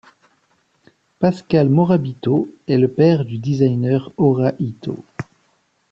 Pascal Morabito est le père du designer Ora-ïto.